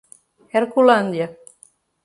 Herculândia